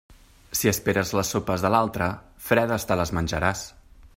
Si esperes les sopes de l'altre, fredes te les menjaràs.